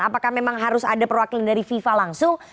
apakah memang harus ada perwakilan dari fifa langsung